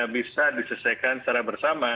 bisa disesaikan secara bersama